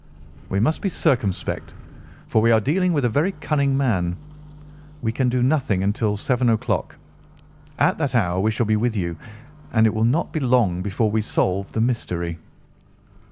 "We must be circumspect, for we are dealing with a very cunning man. We can do nothing until seven o'clock. At that hour we shall be with you, and it will not be long before we solve the mystery."